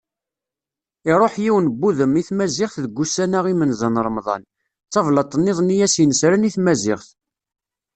Iruḥ yiwen n wudem i tmaziɣt deg wussan-a imenza n Remḍan, d tablaḍt nniḍen i as-inesren i tmaziɣt.